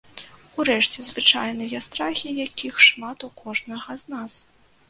Урэшце, звычайныя страхі, якіх шмат у кожнага з нас.